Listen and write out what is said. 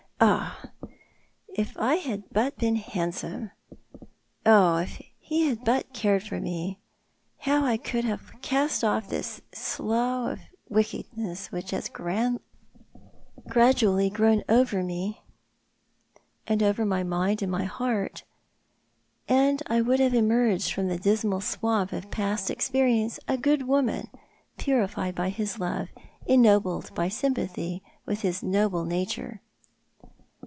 Oh, if I had but been handsome ! Oh, if he had but cared for me ! How I would have cast off this slough of wickedness which has gradually grown over my mind and heart, and would have emerged from the dismal swamp of past experience a good woman, purified by his love, ennobled by sympathy with his noble nature